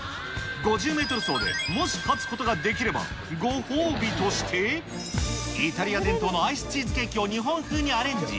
５０メートル走でもし勝つことができれば、ご褒美として、イタリア伝統のアイスチーズケーキを日本風にアレンジ。